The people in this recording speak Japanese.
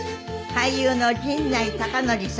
俳優の陣内孝則さん。